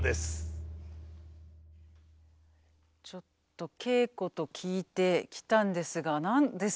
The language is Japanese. ちょっと稽古と聞いて来たんですが。